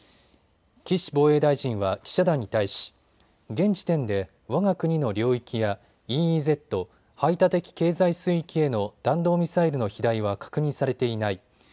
岸防衛大臣は記者団に対し、現時点で、わが国の領域やＥＥＺ・排他的経済水域への弾道ミサイルの飛来は確認されていない。